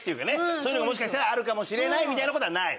そういうのがもしかしたらあるかもしれないみたいな事はない？